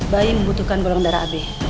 bayi membutuhkan golong darah ab